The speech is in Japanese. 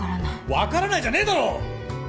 「わからない」じゃねえだろ！